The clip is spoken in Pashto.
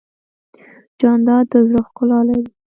جانداد د زړه ښکلا لري.